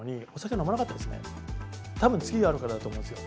たぶん次があるからだと思うんですよ。